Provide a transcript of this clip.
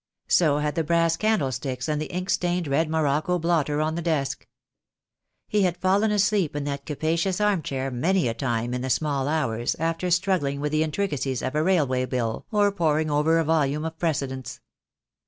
So had the brass candlesticks, and the ink stained red morocco blotter on the desk. He had fallen asleep in that capacious arm chair many a time in the small hours, after struggling with the intricacies of a railway bill or poring over a volume of precedents.